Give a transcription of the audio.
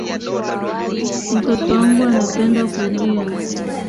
Mtoto wangu anapenda kulia